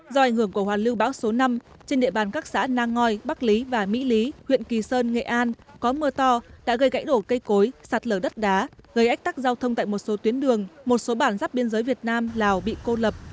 do ảnh hưởng của hoàn lưu bão số năm trên địa bàn các xã nang ngòi bắc lý và mỹ lý huyện kỳ sơn nghệ an có mưa to đã gây gãy đổ cây cối sạt lở đất đá gây ách tắc giao thông tại một số tuyến đường một số bản rắp biên giới việt nam lào bị cô lập